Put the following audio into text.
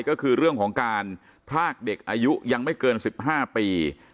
ก็คือเรื่องของการพรากเด็กอายุยังไม่เกิน๑๕ปี